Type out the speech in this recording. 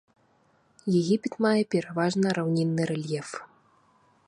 Егіпет мае пераважна раўнінны рэльеф.